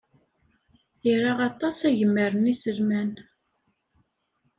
Ira aṭas agmar n yiselman.